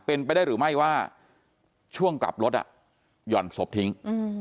เป็นไปได้หรือไม่ว่าช่วงกลับรถหย่อนศพทิ้ง